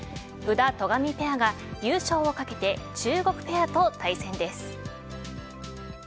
宇田、戸上ペアが優勝を懸けて中国ペアと対戦です。